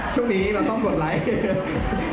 ช่วงนี้เราต้องกดไลค์